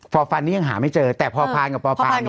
ฟ้าฟันนี่ยังหาไม่เจอแต่ภาพานกับฟ้าป้านมีแล้ว